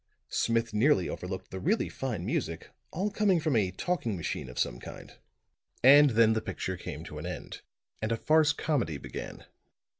Smith nearly overlooked the really fine music, all coming from a talking machine of some kind. And then the picture came to an end, and a farce comedy began.